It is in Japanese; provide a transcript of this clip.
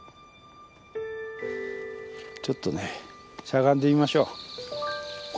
ちょっとねしゃがんでみましょう。